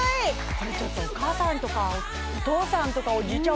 これちょっとお母さんとかお父さんとかおじいちゃん